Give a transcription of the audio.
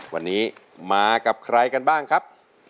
วันนี้มากับใครกันบ้างครับ